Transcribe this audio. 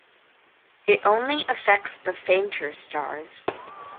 It only affects the fainter stars.